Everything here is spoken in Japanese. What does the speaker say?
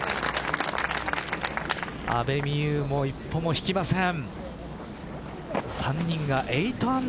阿部未悠も一歩も引きません。